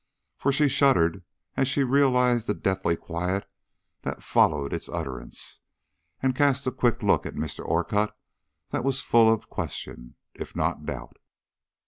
For she shuddered as she realized the deathly quiet that followed its utterance, and cast a quick look at Mr. Orcutt that was full of question, if not doubt.